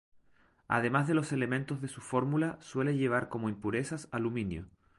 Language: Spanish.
Además de los elementos de su fórmula, suele llevar como impurezas aluminio.